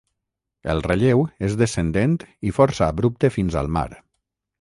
El relleu és descendent i força abrupte fins al mar.